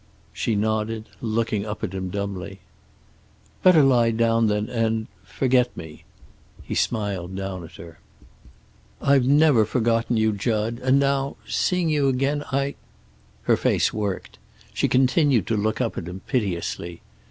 She nodded, looking up at him dumbly. "Better lie down, then, and forget me." He smiled down at her. "I've never forgotten you, Jud. And now, seeing you again I " Her face worked. She continued to look up at him, piteously.